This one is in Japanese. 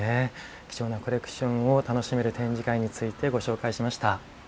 貴重なコレクションを楽しめる展示会についてご紹介しました。